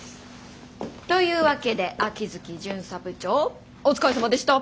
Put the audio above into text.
というわけで秋月巡査部長お疲れさまでした！